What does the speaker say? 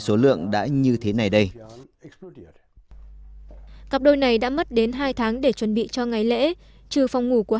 số lượng đã như thế này đây cặp đôi này đã mất đến hai tháng để chuẩn bị cho ngày lễ trừ phòng ngủ của